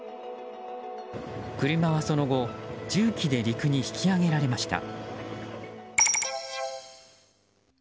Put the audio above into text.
車はその後重機で陸に引き上げられました。